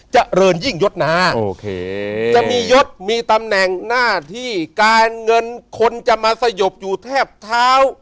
เจริญยิ่งยศนาโอเคจะมียศมีตำแหน่งหน้าที่การเงินคนจะมาสยบอยู่แทบเท้า